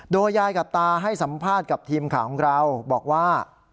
โดยยายกับตาให้สัมภาษณ์กับทีมข่าวของเราบอกว่า